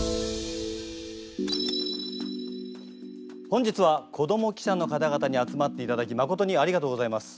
本日は子ども記者の方々に集まっていただきまことにありがとうございます。